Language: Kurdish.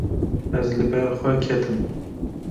Ez li ber xwe ketim.